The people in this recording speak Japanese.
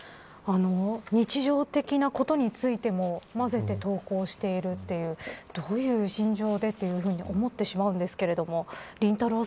日常的なことについてもまぜて投稿しているというどういう心情でというふうに思ってしまいますがりんたろー。